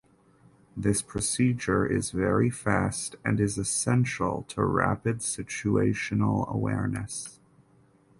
This procedure is very fast and is essential to rapid situational awareness.